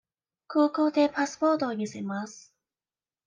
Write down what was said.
空港でパスポートを見せます。